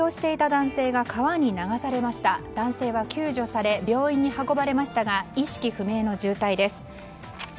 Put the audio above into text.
男性は救助され病院に運ばれましたが意識不明の重体です。